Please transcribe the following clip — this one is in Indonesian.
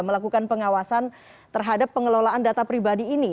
melakukan pengawasan terhadap pengelolaan data pribadi ini